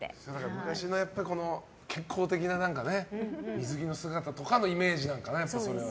昔の健康的な水着の姿とかのイメージなのかな、それは。